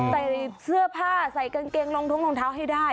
ใส่เสื้อผ้าใส่กางเกงรองท้องรองเท้าให้ได้